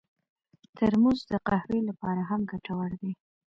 ترموز د قهوې لپاره هم ګټور دی.